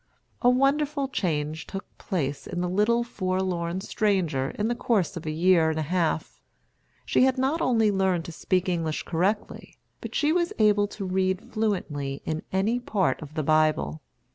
A wonderful change took place in the little forlorn stranger in the course of a year and a half. She not only learned to speak English correctly, but she was able to read fluently in any part of the Bible.